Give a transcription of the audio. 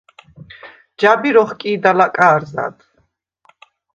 ჯაბირ ოხკი̄და ლაკა̄რზად.